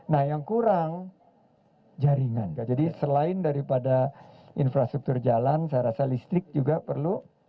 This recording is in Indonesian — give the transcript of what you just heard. nah yang kurang jaringan jadi selain daripada infrastruktur jalan saya rasa listrik juga perlu